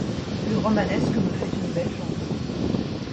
le romanesque me fait une belle jambe.